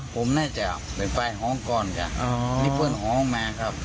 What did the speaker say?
ผมน่าจะเป็นปลายห้องก่อนจ้ะมีเพื่อนห้องมาครับ